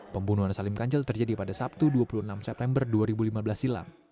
pembunuhan salim kanjel terjadi pada sabtu dua puluh enam september dua ribu lima belas silam